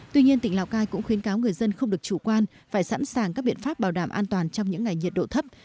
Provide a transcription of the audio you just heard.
tuy nhiên tỉnh lào cai cũng khuyến cáo người dân không được chủ quan phải sẵn sàng các biện pháp bảo đảm an toàn trong những ngày nhiệt độ thấp